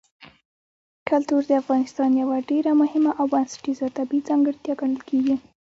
کلتور د افغانستان یوه ډېره مهمه او بنسټیزه طبیعي ځانګړتیا ګڼل کېږي.